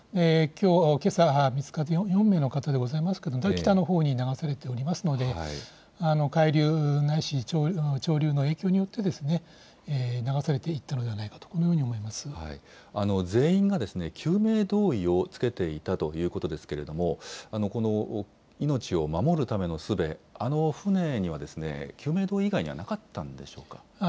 けさ、見つかった４名の方でございますけれども、北のほうに流されておりますので、海流ないし潮流の影響によって、流されていったのではないかと、このように思全員が救命胴衣を着けていたということですけれども、この命を守るためのすべ、あの船には、救命胴衣以外にはなかったんでしょうか。